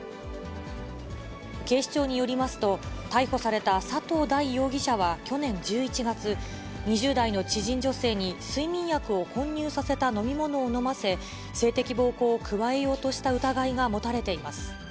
警視庁によりますと、逮捕された佐藤大容疑者は去年１１月、２０代の知人女性に睡眠薬を混入させた飲み物を飲ませ、性的暴行を加えようとした疑いが持たれています。